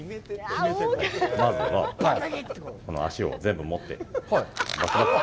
まずは、この脚を全部持ってぱかっと。